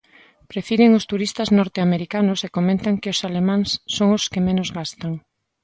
Prefiren os turistas norteamericanos e comentan que os alemáns son os que menos gastan.